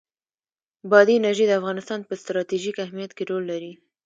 بادي انرژي د افغانستان په ستراتیژیک اهمیت کې رول لري.